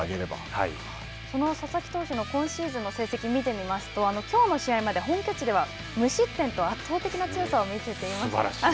その佐々木投手の今シーズンの成績を見てみますと、きょうの試合まで本拠地では、無失点と、圧倒的な強さを見せています。